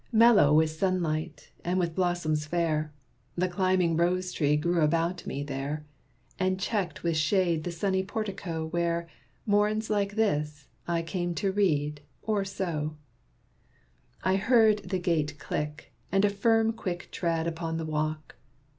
Mellow with sunlight, and with blossoms fair: The climbing rose tree grew about me there, And checked with shade the sunny portico Where, morns like this, I came to read, or sew. I heard the gate click, and a firm quick tread Upon the walk.